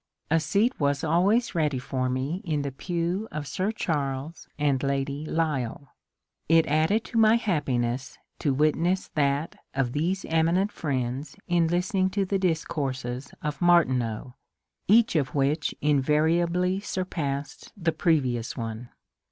A seat was always ready for me in the pew of Sir Charles and Lady Lyell. It added to my happiness to witness that of these eminent friends in listening to the discourses of Mar tineau, each of which invariably surpassed the previous one.